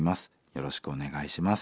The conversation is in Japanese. よろしくお願いします」。